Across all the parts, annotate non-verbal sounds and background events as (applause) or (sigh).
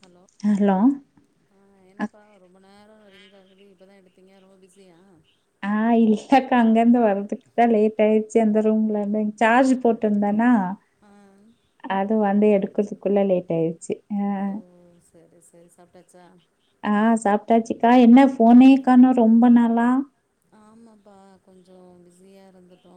Hello ஆ அக் என்னப்பா ரொம்ப நேரோ ரிங் ஆகுது இப்பதா எடுத்தீங்க ரொம்ப பிஸியா ஆ இல்லக்கா அங்கயிருந்து வர்றதுக்கு தா லேட் ஆயிருச்சு அந்த ரூம்லருந்து சார்ஜ் போட்டுருந்தனா ஆ அது வந்து எடுக்குறத்துக்குள்ள லேட் ஆயிடுச்சு ஆ செரி செரி சாப்ட்டாச்சா ஆ சாப்ட்டாச்சுக்கா என்ன ஃபோனையேக்கானு ரொம்ப நாளா ஆமாப்பா கொஞ்சோ பிஸியா இருந்துட்டோ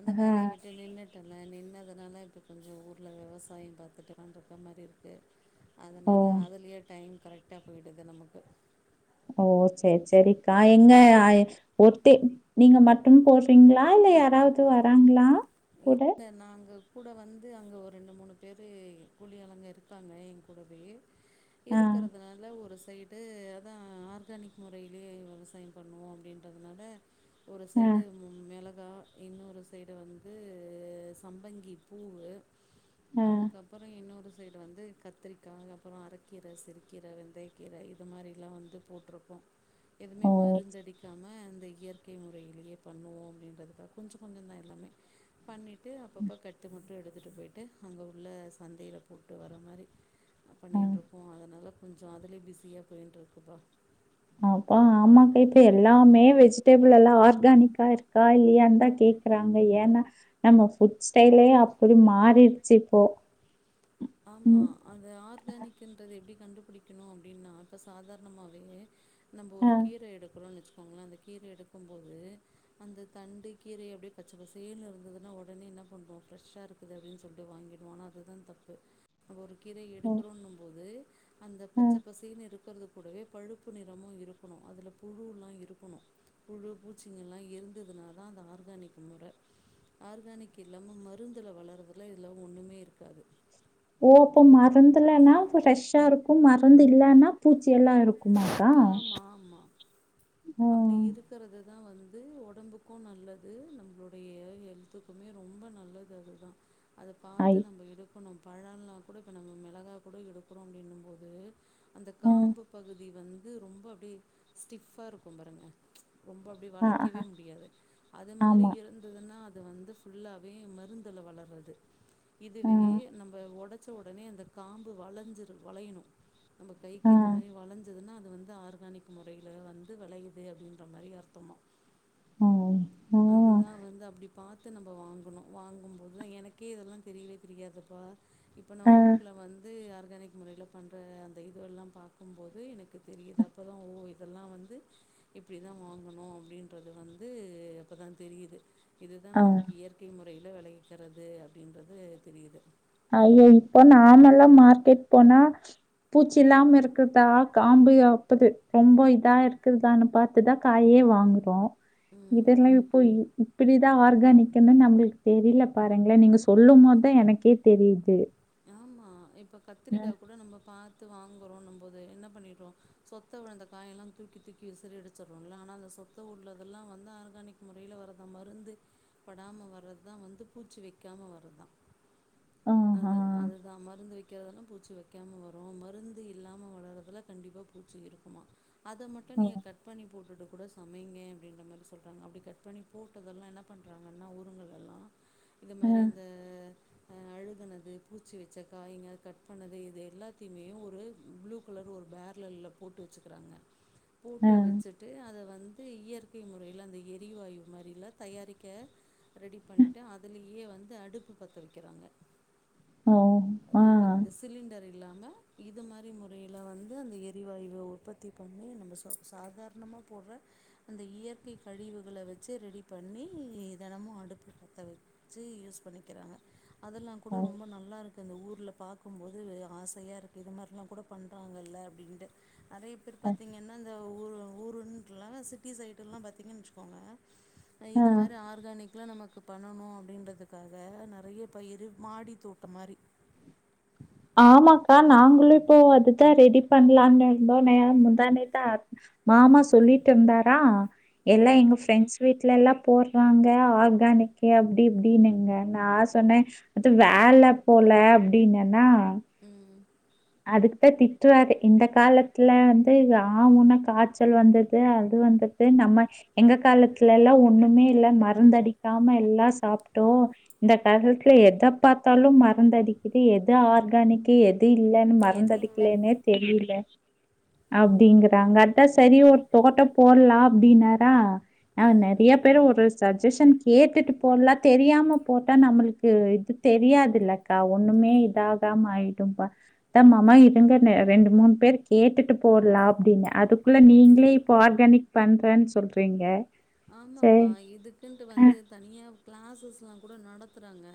அந்த ஆ வேலய விட் ட்டு நின்னுட்டல்ல நின்னதுனால இப்ப கொஞ்சோ ஊர்ல விவசாயம் பாத்துட்டு வந்துருக்க மாரி இருக்கு ஓ அதுனால அதுலயே டைம் கரெக்டா போய்டுது நமக்கு ஓ ஓ செரி செரிக்கா எங்க அ ஒர்த்தே நீங்க மட்டும் போட்றீங்களா இல்ல யாராவது வராங்களா கூட இல்ல நாங்க கூட வந்து அங்க ஒரு ரெண்டு மூணு பேரு கூலி ஆளுங்க இருப்பாங்க ஏ கூடவே ஆ இருக்குறதுனால ஒரு சைட் ட்டு அதா ஆர்கானிக் முறையிலே விவசாயம் பண்ணுவோம் அப்டின்றதுனால ஒரு ஆ சைடு மெளகா இன்னொரு சைடு வந் இது சம்பங்கி பூவு ஆ அதுக்கப் அப்பறோ இன்னொரு சைடு வந்து கத்தரிக்கா அப்பறோ அரக்கீர சிறுக்கீர வெந்தயக்கீர இது மாரிலா வந்து போட்ருப்போ எதுமே ஓ மருந்தடிக்காம இந்த இயற் க்கை முறையிலேயே பண்ணுவோம் அப்டின்றதுக்காக கொஞ்ச கொஞ்சந்தா எல்லாமே பண்ணிட்டு அப்பப்ப கட்டு மட்டு எடுத்துட்டு பொய்ட்டு அங்க உள்ள சந்தையில போட்டு வர மாறி ஆ பண்ணிட்ருக்கோ அதுனால கொஞ்சோ அதுலே பிஸியா போயின்ட்ருக்குப்பா அப்பா ஆமா கேட்டே எல்லாமே வெஜிட்பிள் எல்லா ஆர்கானிக்கா இருக்கா இல்லையான்தா கேக் க்குறாங்க ஏன்னா நம்ம ஃபுட் ஸ்டைலே அப்புடி மாறிடுச்சு இப்போ ஆமா ம் அந்த ஆர்கானிக்கின்றது எப்டி கண்டுபுடிக்கணு அப்டின்னா இப்ப சாதார்ணமாவே நம்ப ஆ ஒரு கீர எடுக்கறோனு வச்சக்கோங்கலே அந்த கீர எடுக்கும்போது அந்த தண்டு கீரைய அப்புடியே பச்ச பசேல்னு இருந்துதுன்னா ஒடனே என்ன பண்றோ ஃப்ரெஷ்ஷா இருக் இது அப்டின்னு சொல்ட்டு வாங்கிடுவோ ஆனா அதுதா தப்பு நம்ப ஒரு கீரைய ஓ எடுக்குறோன்னும் போது அந்த ஆ பச்ச பசேர்னு இருக் க்கறது கூடவே பழுப்பு நிறமு இருக்குணு அதுல புழுலா இருக்குணு புழு பூச்சிங்கள்லா இருந்ததுனாதா அந்த ஆர்கானிக் முற ஆர்கானிக் இல்லாம மருந்துல வளருதுல்ல இதுல ஒன்னுமே இருக்காது ஓ ஹோ மருந்துலேனா ஃப்ரெஷ்ஷா இருக்கும் மருந்து இல்லனா பூச்சி எல்லா இருக்குமா ஆமா ஆமா ஆ அப்டி இருக் க்கறதுதா வந்து ஒடம்புக்கு நல்லது நம்பளுடைய ஹெல்த்துக்குமே ரொம்ப நல்லது அது ஆ அத ஐ பாத்து நம்ப எடுக்குணு பழோல்லா கூட இப்ப நம்ப மெளகாக்கூட எடுக்குறோம் அப்டின்னும் போது அந்த ஆ காம்பு பகுதி வந்து ரொம்ப அப்டியே ஸ்டிஃப்பா இருக்கு பாருங்க ரொம்ப அப்புடி ஆ ஆ வளைக்கவே முடியாது அது மாரி ஆமா இருந் ந்துதுன்னா அது வந்து ஃபுல்லாவே மருந்துல வளர்றது ஆ இதுவே நம்ம ஒடச் ச்ச ஒடனே அந்த காம்பு வளஞ்சிரு வளையணு நம்ப ஆ கைக்கு ஏத்த மாரி வளஞ்சுதுன்னா அ அது வந்து ஆர்கானிக் முறையில வந்து வெளையிது அப்டின்ற மாரி அர்த்தமா ஆ ஆ அதுதா வந்து அப்புடி பாத் த்து நம்ப வாங்குணு வாங்கும்போதுதா எனக்கே இதல்லா தெரியவே தெரியாதுப்பா இப்ப நா ஊர்ல் வந்து ஆர்கானிக் முறையில பண்ற அந்த இதுவெல்லாம் பாக்கும்போது எனக்கு தெரியுது அப்பதா ஓ இதல்லா வந்து இப்டிதா வாங்குணு அப்புடின்றது வந்து அப்பதா தெரியுது இதுதா ஆ ஆ நமக்கு இயற்கை முறையில வெளைவிக்கிறது அப்படின்றது தெரியிது ஐய இப்போ நாமல்லா மார்க்கெட் போனா பூச்சி இல்லாம இருக்குதா காம்பு வப்பது ரொம்ப இதா இருக்குதான் பா த்துதா காயே வாங்றோ ம் இதெல்லா இப்போ இப்புடிதா ஆர்கானிக்ன்னு நம்புளுக் தெரியில பாருங்களே நீங்க சொல்லுமோதுதா எனக்கே தெரியுது ஆமா இப்ப கத்திரிக்கா ம். கூட நம்ம பாத்து வாங்குறோன்னுபோது என்ன பண்ணிருவோ சொத்த உழுந்த காயெல்லா தூக்கி தூக்கி விசிரி அடிச்சிற்றோல ஆனா அந்த சொத்த உள்ளதெல்லா வந்து ஆர்கானிக் முறையில வருதா மருந்து படாம வர்றதுதா வந்து பூச்சி வெக்காம வர்தா ஆஹா. அத அதுதா மருந்து வக்காதல்லா பூச்சி வக்காம வரு மருந்து இல்லாம வளர்றதுலா கண்டிப்பா பூச்சி இருக்குமா அத மட்டு ஓ. நீங்க கட் கட் பண்ணி போட்டுட்டு கூட சமைங்க அப்டின்ற மாறி சொல்றாங்க அப்புடி கட் பண்ணி போட்டதல்லா என்ன பண் எங்கன்னா ஊருங்கலெல்லா அ, இந்தமாறி இந்த அ அழுகுனது பூச்சி வச்சக்காய்ங்க கட் பண்ணது இது எல்லாத்தியுமே ஒரு புளூ கலர் ஒரு பேர்லல்லப்போ போட்டு வச்சுக்கிறாங்க அ. போட்டு வச்சுட்டு அத வந்து இயற்கை முறையில அந்த எரிவாயு மாறிலா தயாரிக்க ரெடி பண்ட்டு அதுலயே வந்து அடுப்பு பத்த வக்கிறாங்க ம் இப்ப இந்த சிலிண்டர் இல்லாம இது மாறி முறையில வந்து அந்த எரிவாயு உற்பத் தி பண்ணி நம்ப ச சாதாரணமா போற்ற அந்த இயற்கை கழிவுகள வச்சு ரெடி பண்ணி தெனமு அடுப்பு பத்த வெ ச்சு யூஸ் பண்ணிக்கிறாங்க அதெல்லா கூட அ, ரொம்ப நல் லா இருக்கு அந்த ஊர்ல பாக்கும்போது ஆசையா இருக்கு இது மார்லா கூட பண்றாங்கல்ல அப்டின்ட்டு நெறைய பேர் அ. பாத்தீங்கன்னா ஊ ஊருன்ட்லா சிட்டி சைடுல்லா பாத்தீங் வச்சுக்கோங்க இது மாரி ஆ ர்காணிக்லா நமக் பண்ணணு அப்டின்றதுக்காக நிறைய பயிறு மாடி தோட்டம் மாரி ஆமாக்கா நாங்களு இப்போ அதுதா ரெடி பண்ணலான்னு இருந்தோ ந முந்தாநேத்தா மாமா சொல்லிட்டு இருந்தாரா எல்லா எங்க ஃப்ரெண்ட்ஸ் வீட்ல எல்லா போற்றாங்க ஆர்கானிக்கு அப்டி இப்டின்னங்க நா சொன்னே அது வேல போல அப்டின்னன்னா ம் அதுக்குதா திட்றாறு இந்த காலத்துல வந்து ஆவுன்னா காச்சல் வந்துது அது வந்து து நம்ம எங்க காலத்துல எல்லா ஒண்ணுமே இல்ல மருந்தடிக்காம எல்லா சாப்ட்டோ இந்த காலத்துல எத பாத்தாலு மருந்தடிக்குது எத ஆர்கானிக்கு எது மருந்தடிக்கலேன்னே தெரியில ஆ அப்டிங்கறாங்க த சரி ஒ தோட்ட போல்லா அப்டின்னாரா ந ம் நெறைய பேரு ஒரு சஜ்ஜஷன் கேட்டுட்டு போல்லா தெரியாம போட்டா நம்மளுக்கு இது தெரியாதுல க்கா ஒண்ணுமே இதாகாம ஆயிடும்பா அ மாமா இருங்க ரெண்டு மூணு பேர் கேட்டுட்டு போல்லா அப்டின்னு அதுக்குள்ள நீங்ளே இப்போ ஆர்கானிக் பண்றன் சொல்றீங்க ஆமாப்பா சரி. இதுக்குன்ட்டு அ, வந்து தனியா கிளாஸஸ் எல்லா கூட நடத்துறாங்க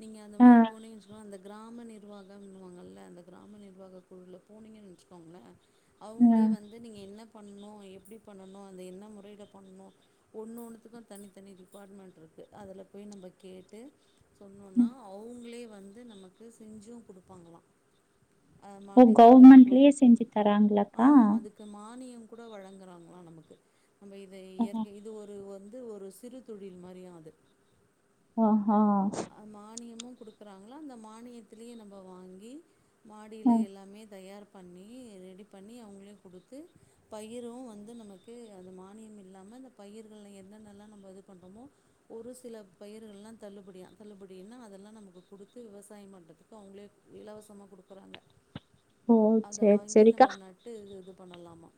நீங்க அந்த அ, மாரி போனிங் சொன்னா அந்த கிராம நி ர்வாகம்ன்னுவாங்கள அந்த கிராம நிர்வாக குழுல போனீங்கன் வெச்சுக்கோங்களே அ, அவங்களே வந்து நீங்க என்ன பண்ணு எப்டி பண்ணணு அந்த என்ன முறையில பண்ணணு ஒன்னு ஒன்னுத்துக்கு தனித்தனி டிபார்ட்மெண்ட் இருக்கு அதுல போய் நம்ப கேட்டு அ. சொன்னோன்னா அவுங்களே வந்து நமக்கு செஞ்சு குடுப்பாங்களா அ ஓ! மாடி தோட்டத்துக்கொன் கவர்மெண்ட்லயே செஞ்சு தராங்களாக்கா? ஆமா அதுக்கு து மானியம் கூட வழங்குறாங்களா நமக்கு நம்ம இது இயற்க் ஓஹோ! இது ஒரு வந்து ஒரு சிறு தொழில் மாரியா அது அ அ அது மானியமு குடுக்குறாங்களா அந்த மானியத்திலயே நாம்ப வாங்கி மாடியில எல்லாமே தயார் பண்ணி ரெடி பண்ணி அவங்களே குடுத்து பயிரு வந்து நமக்கு அந்த மானியம் இல்லாம இந்த பயிர்கள்ல என்னனெல்லா நாம்ப இது பண்றமோ ஒரு சில பயிர்கலெல்லா தள்ளுபடியா தள்ளுபடினா அதெல்லா நமக்கு குடுத்து விவசாய பண்ணறத்துக்கு அவங்களே இலவசம குடுக்குறாங்க ஓ! அத சரி, வாங்கி சரிக்கா. நம்ம நட்டு இது பண்ணலாமா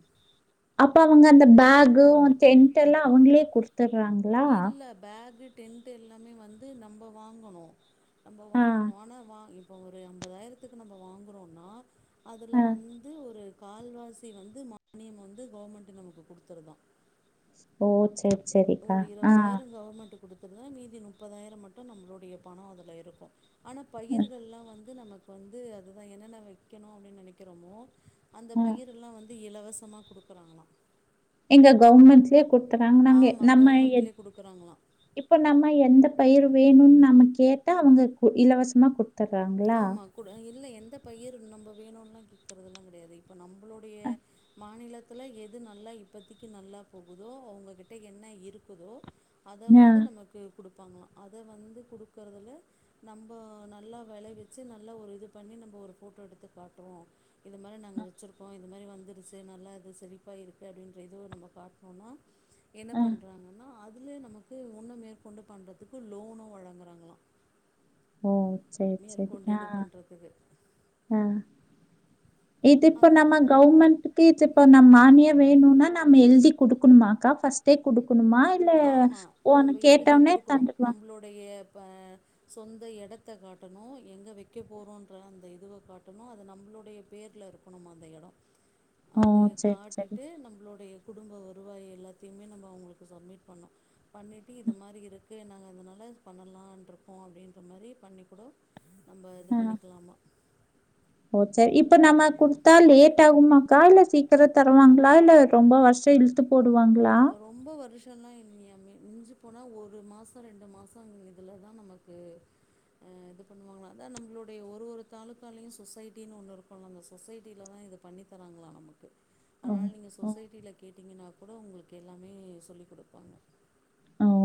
அப்ப அவுங்க அந்த பேக்கு ஒ டென்ட் எல்லா அவுங்களே குடுத்துடுறாங்கள இல்ல பேக்கு டென்ட்டு எல்லாமே வந்து நம்ம வாங்கணு நம்ம ஆ வாங்கணோ ஆனா வா இப்போ ஒரு ஐம்பதாயிரத்துக்கு நம்ம வாங்குறோனா அதில ஆ வந் ந்து ஒரு கால்வாசி வந்து மானியம் வந்து கவர்மெண்ட்டு நமக்கு குடுத்துருதா ஓ சேர் ஒரு இருபதாயிர கவர்மெண்ட்டு கேட்க குடுத்துதுனா மீதி முப்பதாயிர மட்டு நம்மளுடைய பணோ அதுல இருக்கு ஆனா பயிர்கள்லா வந்து நமக்கு வந்து அதுதா என்னென்ன வைக்கணு அப்டின் நெனைக்கறோமோ அந்த ஆ பயிரெல்லா வந்து இலவசமா குடுக்குறாங்களா எங்க கவர்மெண்ட்ஸ்லயே குடுத்துறாங்க நாங்க ஆமா நாம எ கவர்மெண்ட்லயே குடுக்குறாங்களா இப்போ நம்ம எந்த பயிர் வேணுன் நாம கேட்டா அவங்க இலவசமா குடுத்துட்றாங்களா ஆமா. கூட இல்ல எந்த பயிர் நம்ப வேணுன்லா கேட்கறதெல்லா கெடையாது இப்போ நம்பளுடைய மாநிலத்துல எது நல்லா இப்பத்தைக்கு நல்லா போகுதோ அவங்ககிட்ட என்ன இருக்குதோ அத ஆ வந்து நமக்கு குடுப்பாங்களா அத வந்து குடுக்குறதல நம்ப நல்லா விளை வெச்சு நல்லா ஒரு இது பண்ணி நம்ப ஒரு ஃபோட்டோ எடுத்து காட்டுவோ இந்த மாரி நாங்க வெச்சிருக்கோ இந்த மாரி வந்துருச்சு நல்லாருக்கு செழிப்பாருக்கு அப்டின்ற இதுவு நம்ம பாத்தோன்னா என்ன ஆ பண்ணுறாங்கன்னா அதிலேயே நமக்கு ஒன்னு மேற்கொண்டு பண்றதுக்கு லோனு வழங்குறாங்களா ஓ சேரி சேரி ஆ இது பண்றதுக்கு. ஆ இது இப்போ அது நமக் கவர்மெண்ட்டுக்கு (unintelligible) இப்போ நம் மானிய வேணும்னா நம்ம எழுதி குடுக்கணுமாக்கா ஃபஸ்ட்டே குடுக்கணுமா இல்ல ஆம்மா போன நம்ம எழுதி கேட்டோனே குடுக்கணு தந்துடுவாங்க? நம்மளுடைய ப சொந்த எடத்த காட்டணு எங்கே வெக்க போறோன்ற அந்த இதுவ காட்டணு அது நம்ளுடைய பேர்ல இருக் நம்ம அந்த எடோ ஓ! அதய சரி சரி. காட்டிட்டு நம்ளோடைய குடும்ப வருவாய எல்லாத்தையுமே நம்ம அவுங்களுக்கு சப்மிட் பண்ணு பண்ணிட்டு இது மாரி இருக்கு நாங்க அதனால பண்ணலான்ட்ருக்கோ அப்டின்ற மாரி பண்ணிக் கூடோ நம்ப இது ஆ. பண்ணிக்கலாமா ஓ சேரி இப்ப நம்ம குடுத்தா லேட் ஆகுமாக்கா இல்ல சீக்கிரோ தருவாங்களா இல்ல ரொம்ப வருஷோ இல் ழுத்து போடுவாங்களா ரொம்ப வருஷோலா இல்லயாமே மிஞ்சி போனா ஒரு மாசோ ரெண்டு மாசோ இதிலதா நமக்கு அ இது பண்ணுவாங்களா அதா நம்லோடைய ஒரு ஒரு தாலுக்காலேயு சொசைட்டின் ஒன்னு இருக்குலங்க சொசைட்டிலதா இந்த பண்ணிதராங்களா நம்முளுக்கு ஓ! அதனாலே நீங்க ஓ! சொசைட்டியில கேட்டிங்கன்னா கூட உங்குளுக்கு எல்லாமே சொல்லி் குடுப்பாங்க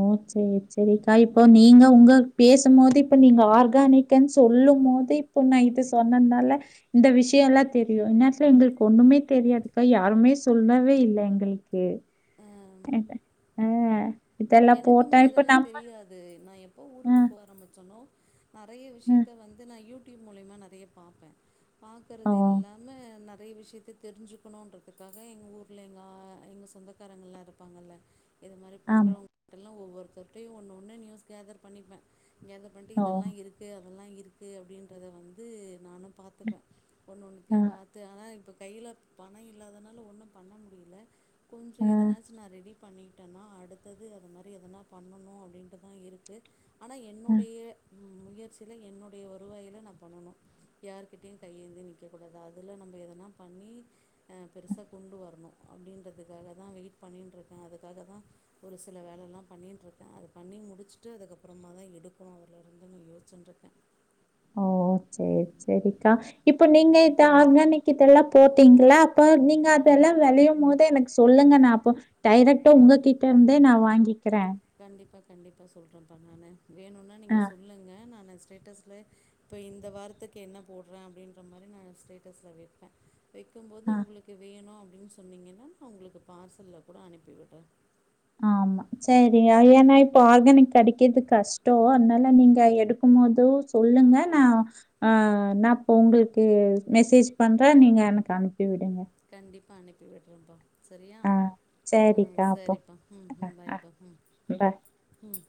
ஓ சரி சேரிக்கா இப்போ நீங்க உங்கள் பேசும் போது இப்ப நீங்க ஆர்கானிக்கன் சொல்லும் போதே இப்போ நைட்டு சொன்னதுனால இந்த விஷயோல்லா தெரியு இந்நேரத்துல எங்குளுக் ஒண்ணுமே தெரியாதுக்கா யாருமே சொல்லவே இல்ல எங்களுக்கு ஆ ம் அத ஆ இத்த எனக்குமே இதெல்லா தெரியாது நா எப்போ அ, ஊருக்கு போக ஆரம்பிச்சனோ நெறைய அ. விஷ்யத்த வந்து நா யூடியூப் மூலியமா நெறைய பாப்பே ஓ! பாக்குறது இல்லாம நெறைய விஷ்யத்த தெரிஞ்சுக்கணுன்றதுக்காக எங்க ஊர்ல எங்கா எங்க சொந்தகாரங்கள்லா இருப்பாங்கல்ல இது மாரி ஆமா. பண்றவங் கிட்டெல்லா ஒவ்வொருத்தருட்டையு ஒன்னு ஒன்னு நியூஸ் கேதர் பண்ணிப்பே கேதர் பண்ட்டு ஓ! இதெல்லா இருக்கு அதெல்லா இருக்கு அப்டின்றத வந்து நானு பாத்துப்ப ஒன்னு ஒன்னுத்தையு ஆ, பாத்து ஆனா இப்போ கையில பணோ இல்லாதுனால ஒன்னு பண்ண முடியல கொஞ்ச ஆ, எதனாச்சு நா ரெடி பண்ணிட்டேனா அடுத்த து மாதிரி எதனா பண்ணணு அப்டின்டு தா இருக்கு ஆனா ஆ. என்னுடைய முயற்சியில என்னுடைய வருவாயில்ல நா பண்ணணு யாருகிட்டயையு கையேந்தி நிக்க கூடாது அதுல நம்ம எதனா பண்ணி அ பெருசா கொண்டு வரணு அப்டின்றதுக்காக தா வெயிட் பண்ணின்ருக்கே அதுக்காக தா ஒரு சில வேலையெல்லா பண்ணின்ருக்கே அது பண்ணி முடுச்சுட்டு அதுக்கப்புறமா தா எடுக்கனு அதுல இருந்துனு யோசுஞ்சுன்ருக்கே ஓ செரி செரிக்கா இப்ப நீங்க இத ஆர்கானிக் இதெல்லா போட்டீங்களா அப்போ நீங்க அதெல்லா வெளையும் போதே எனக்கு சொல்லுங்க நா அப்போ டைரெக்டா உங்ககிட்ட இருந்தே நா வாங்கிக்கறே கண்டிப்பா கண்டிப்பா சொல்றேன்பா நானு வேணுனா ஆ, நீங்க சொல்லுங்க நானு ஸ்டேட்டஸ்ல இப்போ இந்த வாரத்துக்கு என்ன போட்றே அப்டின்ற மாரி நா ஸ்டேட்டஸ்ல வைப்பே வைக்கும்போது ஆ, உங்களுக்கு வேணு அப்டின் சொன்னிங்கனா நா உங்களுக்கு பார்சல்ல கூட அனுப்பி விட்ற ஆமா செரி ஏனா இப்ப ஆர்கானிக் கெடைக்கிறது கஷ்டோ அதனால நீங்க எடு க்கும் போது சொல்லுங்க நா ஆ நானஃ அப்ப உங்களுக்கு மெசேஜ் பண்ற நீங்க எனக்கு அனுப்பி விடுங்க கண்டிப்பா அனுப்பி விட்றேன்பா செரியா ஆ அ சரிக்கா அப்போ. செரிப்பா ம் ம் ஆ பாய்பா ம் ப ம்